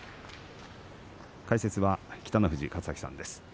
解説は北の富士勝昭さんです。